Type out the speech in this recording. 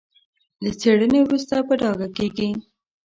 له څېړنې وروسته په ډاګه کېږي.